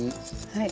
はい。